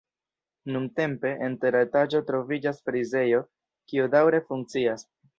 Nuntempe, en tera etaĝo troviĝas frizejo, kiu daŭre funkcias.